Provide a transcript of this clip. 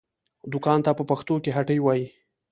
دوکان ته په پښتو کې هټۍ وايي